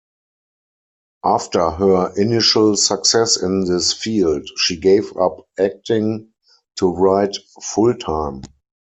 After her initial success in this field, she gave up acting to write full-time.